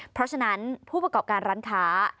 เพราะฉะนั้นผู้ประกอบการร้านค้า